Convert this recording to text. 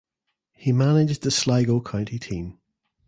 He managed the Sligo county team.